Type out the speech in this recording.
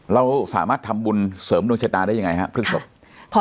เราสามารถทำบุญเสริมดวงชะตาได้ยังไงครับพฤกษบ